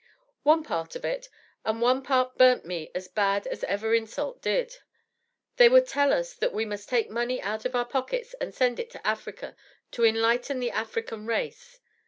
"One part of it, and one part burnt me as bad as ever insult did. They would tell us that we must take money out of our pockets to send it to Africa, to enlighten the African race.